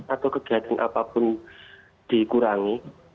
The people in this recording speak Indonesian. atau kegiatan apapun dikurangi